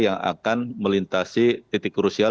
yang akan melintasi titik krusial